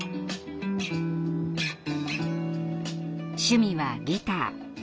趣味はギター。